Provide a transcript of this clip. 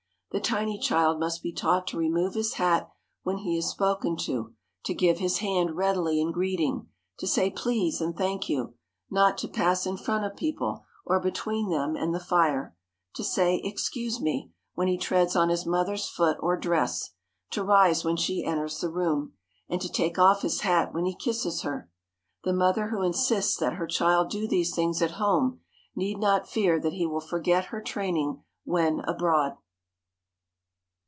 The tiny child must be taught to remove his hat when he is spoken to, to give his hand readily in greeting, to say "please" and "thank you"; not to pass in front of people, or between them and the fire; to say "excuse me!" when he treads on his mother's foot or dress; to rise when she enters the room; and to take off his hat when he kisses her. The mother who insists that her child do these things at home need not fear that he will forget her training when abroad.